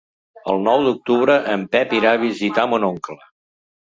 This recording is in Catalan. El nou d'octubre en Pep irà a visitar mon oncle.